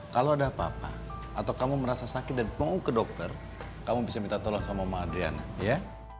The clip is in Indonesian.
kalau ada apa apa atau kamu merasa sakit dan mau ke dokter kamu bisa minta tolong sama mbak adriana ya